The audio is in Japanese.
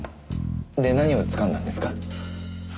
で何を掴んだんですか？